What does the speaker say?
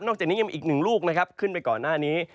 จากนี้ยังมีอีกหนึ่งลูกนะครับขึ้นไปก่อนหน้านี้